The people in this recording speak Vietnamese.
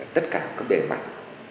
tất cả cái bề mặt